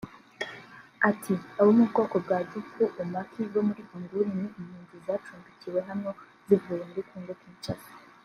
Ati “Abo mu bwoko bwa Jupu-Omaki bo muri Angule ni impunzi zacumbikiwe hano zivuye muri Congo Kinshasa